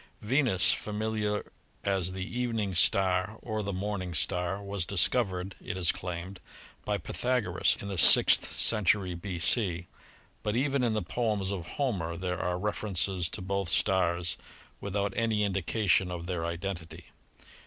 Venus, familiar as the evening star or the morning star, was discovered — it is claimed — by Pythagoras in the sixth century B.C., but even in the poems of Homer there are references to both stars without any indication of their identity.